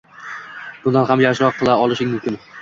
“Bundan ham yaxshiroq qila olishing mumkin!”